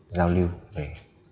giao lưu về